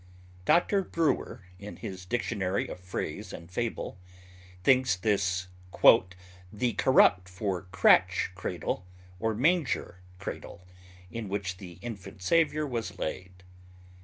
Dr. Brewer, in his "Dictionary of Phrase and Fable," thinks this "the corrupt for cratch cradle or manger cradle, in which the infant Saviour was laid.